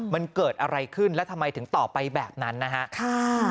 มันเกิดอะไรขึ้นแล้วทำไมถึงต่อไปแบบนั้นนะฮะ